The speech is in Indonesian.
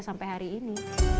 sampai hari ini